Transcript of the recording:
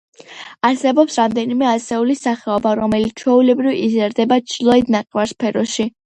არსებობს რამდენიმე ასეული სახეობა, რომლებიც ჩვეულებრივ იზრდება ჩრდილოეთ ნახევარსფეროში.